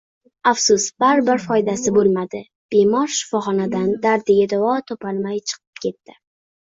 Afsus, baribir, foydasi bo‘lmadi, bemor shifoxonadan dardiga davo topolmay chiqib ketdi